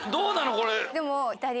これ。